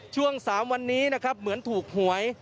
ช่วง๓วันนี้นะครับเหมือนถูกหวย